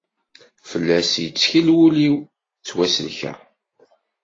Fell-as i yettkel wul-iw, ttwasellkeɣ.